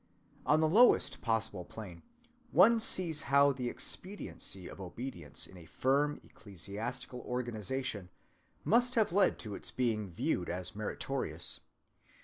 On the lowest possible plane, one sees how the expediency of obedience in a firm ecclesiastical organization must have led to its being viewed as meritorious.